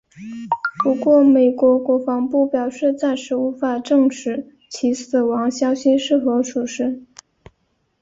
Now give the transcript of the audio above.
不过美国国防部表示暂时无法证实其死亡消息是否属实。